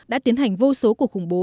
đã tiến hành vô số cuộc khủng bố